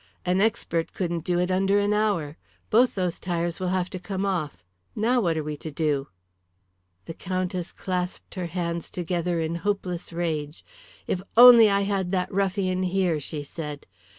An expert couldn't do it under an hour. Both those tyres will have to come off. Now what are we to do?" The Countess clasped her hands together in hopeless rage. "If I only had that ruffian here!" she said.